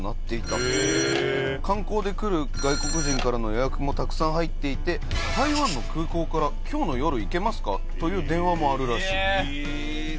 観光で来る外国人からの予約もたくさん入っていて台湾の空港から「今日の夜行けますか？」という電話もあるらしい。